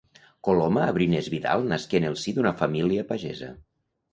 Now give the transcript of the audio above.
Coloma Abrines Vidal nasqué en el si d'una família pagesa.